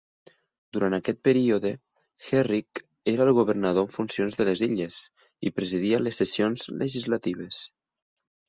Durant aquest període, Herrick era el governador en funcions de les Illes i presidia les sessions legislatives.